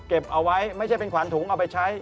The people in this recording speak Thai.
เอาไว้ไม่ใช่เป็นขวานถุงเอาไปใช้